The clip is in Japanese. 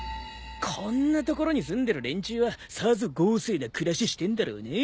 こんな所に住んでる連中はさぞ豪勢な暮らししてんだろうね。